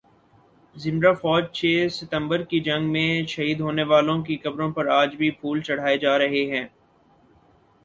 ذمرہ فوج چھ ستمبر کی جنگ میں شہید ہونے والوں کی قبروں پر آج بھی پھول چڑھائے جا رہے ہیں